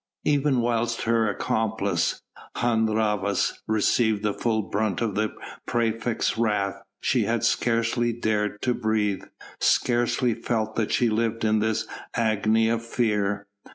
Even whilst her accomplice, Hun Rhavas, received the full brunt of the praefect's wrath she had scarcely dared to breathe, scarcely felt that she lived in this agony of fear.